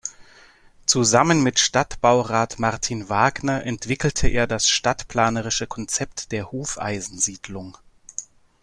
Zusammen mit Stadtbaurat Martin Wagner entwickelte er das stadtplanerische Konzept der Hufeisensiedlung.